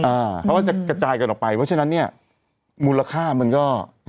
เพราะว่าจะกระจายกันออกไปเพราะฉะนั้นเนี่ยมูลค่ามันก็